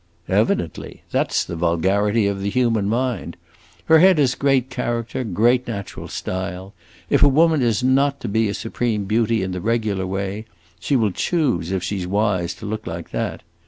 "Evidently! That 's the vulgarity of the human mind. Her head has great character, great natural style. If a woman is not to be a supreme beauty in the regular way, she will choose, if she 's wise, to look like that.